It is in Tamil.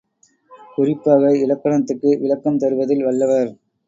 குறிப்பாக, இலக்கணத்துக்கு விளக்கம் தருவதில் வல்லவர்.